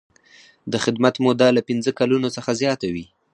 د خدمت موده له پنځه کلونو څخه زیاته وي.